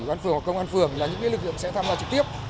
quán phường công an phường là những lực lượng sẽ tham gia trực tiếp